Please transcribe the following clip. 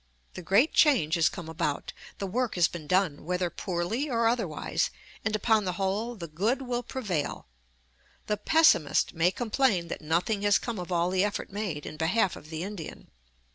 The great change has come about; the work has been done, whether poorly or otherwise, and, upon the whole, the good will prevail. The pessimist may complain that nothing has come of all the effort made in behalf of the Indian.